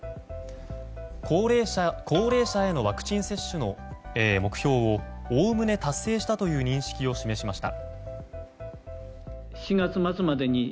高齢者へのワクチン接種の目標をおおむね達成したという認識を示しました。